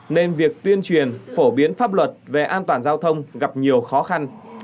nên việc tuyên truyền phổ biến pháp luật về an toàn giao thông gặp nhiều khó khăn